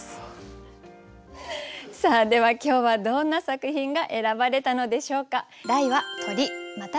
では今日はどんな作品が選ばれたのでしょうか。